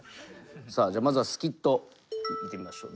さあじゃあまずはスキット見てみましょう。